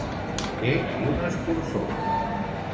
Ser un escurçó.